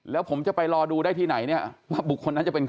แล้วผมจะไปรอดูได้ที่ไหนเนี่ยว่าบุคคลนั้นจะเป็นใคร